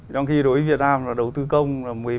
trong khi đối với việt nam là đầu tư công